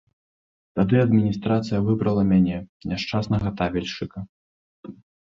Тады адміністрацыя выбрала мяне, няшчаснага табельшчыка.